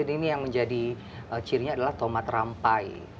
ini yang menjadi cirinya adalah tomat rampai